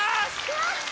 やった！